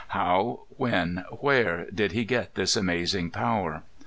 How, when, where, did he get this amazing power?